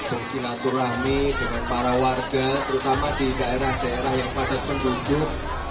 bersilaturahmi dengan para warga terutama di daerah daerah yang padat penduduk